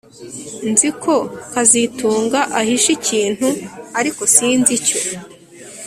Nzi ko kazitunga ahishe ikintu ariko sinzi icyo